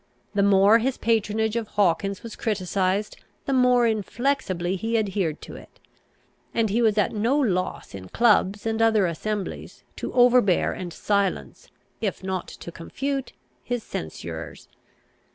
The more his patronage of Hawkins was criticised, the more inflexibly he adhered to it; and he was at no loss in clubs and other assemblies to overbear and silence, if not to confute, his censurers.